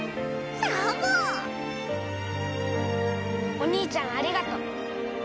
お兄ちゃんありがとう。